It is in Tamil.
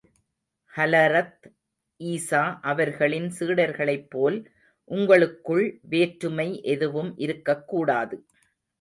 ஹலரத் ஈசா அவர்களின் சீடர்களைப் போல், உங்களுக்குள் வேற்றுமை எதுவும் இருக்கக் கூடாது.